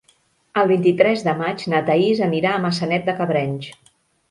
El vint-i-tres de maig na Thaís anirà a Maçanet de Cabrenys.